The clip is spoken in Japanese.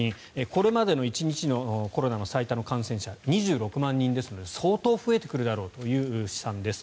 これまでのコロナの１日の最多の感染者２６万人ですので相当増えてくるだろうという試算です。